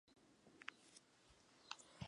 评价机构对本作给出的打分可谓中规中矩。